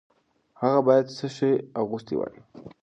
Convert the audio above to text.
هغه باید څه شی اغوستی وای؟